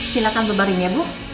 silahkan berbaring ya bu